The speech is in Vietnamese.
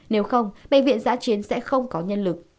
nếu không bệnh viện giã chiến sẽ không có nhân lực